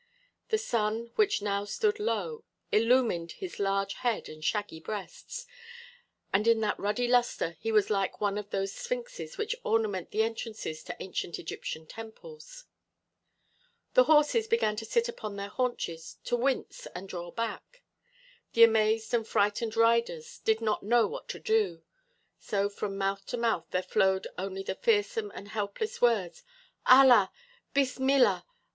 The sun, which now stood low, illumined his huge head and shaggy breasts, and in that ruddy luster he was like one of those sphinxes which ornament the entrances to ancient Egyptian temples. The horses began to sit upon their haunches, to wince and draw back. The amazed and frightened riders did not know what to do; so from mouth to mouth there flowed only the fearsome and helpless words, "Allah! Bismillah!